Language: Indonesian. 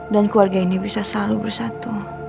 dan keluarga ini bisa selalu bersatu